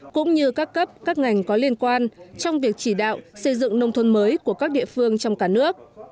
cũng như các cấp các ngành có liên quan trong việc chỉ đạo xây dựng nông thôn mới của các địa phương trong cả nước